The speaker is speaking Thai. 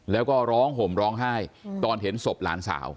แล้วก็ร้องห่มร้องไห้ตอนเห็นศพหลานสาว